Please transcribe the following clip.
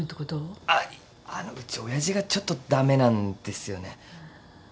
あっあのうち親父がちょっと駄目なんですよね。